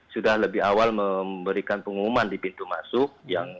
sudah lebih awal memberikan pengumuman di pintu masuk